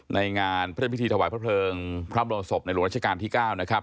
ในงานพระพิธีถวายพระเพลิงพระบรมศพในหลวงราชการที่๙นะครับ